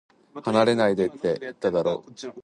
離れないでって、言っただろ